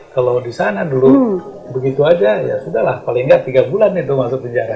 kalau di sana dulu begitu aja ya sudah lah paling nggak tiga bulan itu masuk penjara